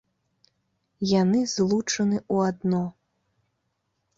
Яны злучаны ў адно.